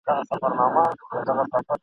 له دې مالت او له دې ښاره شړم ..